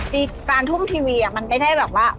ทีการทุ่มทีวีอ่ะมันไม่ใช่แบบว่า